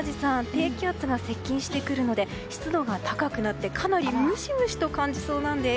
低気圧が接近してくるので湿度が高くなってかなりムシムシと感じそうなんです。